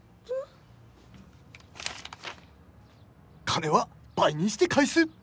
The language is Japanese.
「金は部にして返す！」。